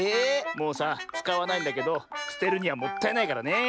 もうさつかわないんだけどすてるにはもったいないからねえ。